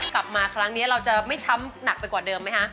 กลับมาครั้งนี้เราจะไม่ช้ำหนักไปกว่าเดิมไหมคะ